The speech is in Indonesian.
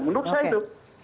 menurut saya itu